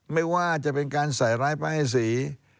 ไม่ว่าจะเป็นการใส่ร้ายพระให้ศรี